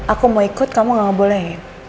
aku mau ikut kamu gak boleh